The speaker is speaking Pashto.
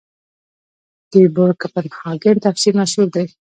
د بور کپنهاګن تفسیر مشهور دی.